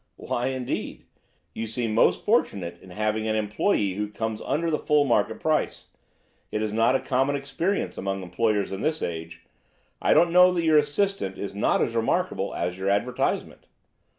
"Why, indeed? You seem most fortunate in having an employé who comes under the full market price. It is not a common experience among employers in this age. I don't know that your assistant is not as remarkable as your advertisement."